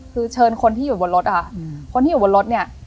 คือเชิญคนที่อยู่บนรถอะค่ะคนที่อยู่บนรถเนี่ย